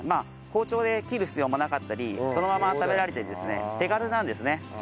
包丁で切る必要もなかったりそのまま食べられてですね手軽なんですね。